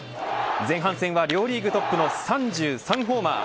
前半戦は両リーグトップの３３ホーマー。